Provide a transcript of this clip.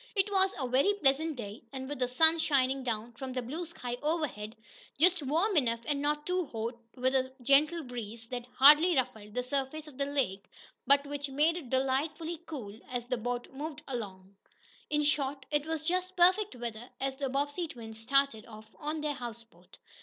It was a very pleasant day, and with the sun shining down from a blue sky overhead, just warm enough, and not too hot, with a gentle breeze that hardly ruffled the surface of the lake, but which made it delightfully cool as the boat moved slowly along. In short, it was just perfect weather, as the Bobbsey twins started off on their houseboat.